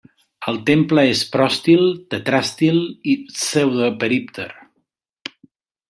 El temple és pròstil, tetràstil i pseudoperípter.